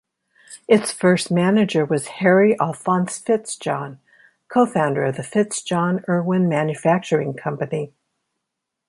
Its first manager was Harry Alphonse Fitzjohn, co-founder of the FitzJohn-Erwin Manufacturing Company.